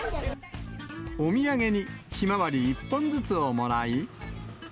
お土産に、ひまわり１本ずつをもらい。